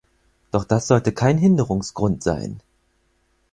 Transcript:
Doch das sollte kein Hinderungsgrund sein!